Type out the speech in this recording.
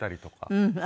うん。